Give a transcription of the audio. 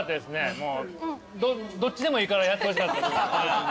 どっちでもいいからやってほしかった。